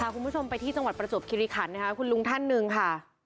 คุณผู้ชมไปที่จังหวัดประจวบคิริขันนะคะคุณลุงท่านหนึ่งค่ะ